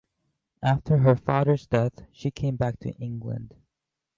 After her father's death, she came back to England.